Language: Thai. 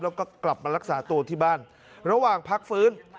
แล้วก็กลับมารักษาตัวที่บ้านระหว่างพักฟื้น